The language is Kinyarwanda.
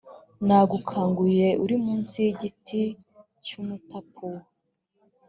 nagukanguye uri munsi y igiti cy umutapuwa